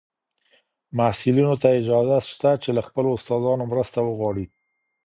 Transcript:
محصلینو ته اجازه شته چي له خپلو استادانو مرسته وغواړي.